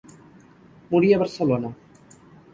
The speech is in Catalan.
Morí a Barcelona.